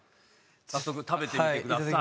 早速食べてみてください。